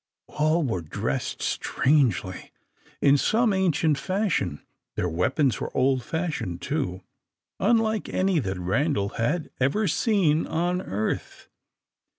All were dressed strangely in some ancient fashion; their weapons were old fashioned, too, unlike any that Randal had ever seen on earth.